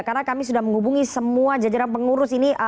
karena kami sudah menghubungi semua jajaran pengurus ini